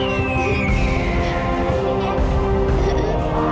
ratu berharapan dengan orang urat